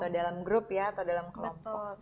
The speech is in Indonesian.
dalam grup ya atau dalam kelompok